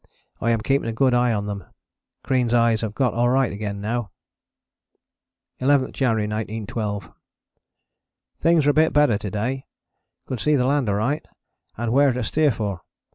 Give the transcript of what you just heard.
I am keeping a good eye on them. Crean's eyes have got alright again now. 11th January 1912. Things are a bit better to day. Could see the land alright and where to steer for.